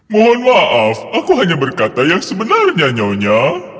mohon maaf aku hanya berkata yang sebenarnya nyonya